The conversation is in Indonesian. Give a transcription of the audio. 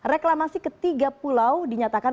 reklamasi ketiga pulau dinyatakan